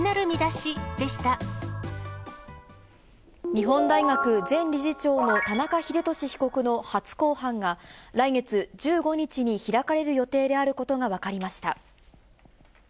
日本大学前理事長の田中英壽被告の初公判が、来月１５日に開かれる予定であることが分かりました。